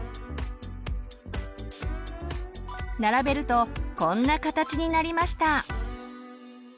並べるとこんな形になりました。